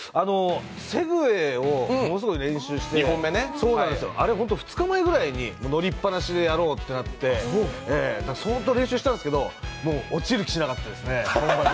セグウェイをものすごい練習して、あれ、ほんと２日前に乗りっぱなしでやろうってなって相当練習したんですけど、落ちる気しなかったですね。